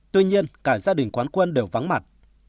tuy nhiên cả gia đình quán quân đều vắng mặt